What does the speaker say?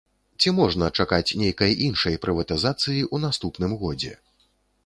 Ці можна чакаць нейкай іншай прыватызацыі ў наступным годзе?